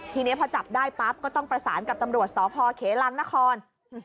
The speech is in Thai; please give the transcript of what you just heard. ทีนี้พอจับได้ปั๊บก็ต้องประสานกับตำรวจสพเขลังนคร